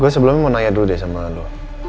gue sebelumnya mau nanya dulu deh sama ando